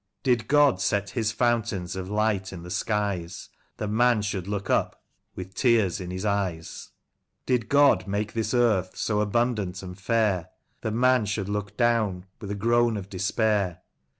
Did God set His fountains of light in the skies, That man should look up with. the tears in his eyes? John Critchley Prince, Did God make this earth so abundant and fair, That man should look down with a groan of despair